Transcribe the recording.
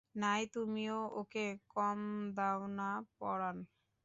নাই তুমিও ওকে কম দাও না পরাণ।